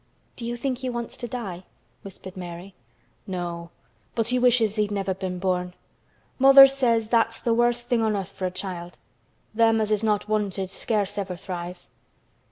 "Do you think he wants to die?" whispered Mary. "No, but he wishes he'd never been born. Mother she says that's th' worst thing on earth for a child. Them as is not wanted scarce ever thrives.